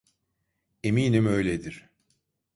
Eminim öyledir.